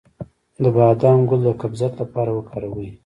د بادام ګل د قبضیت لپاره وکاروئ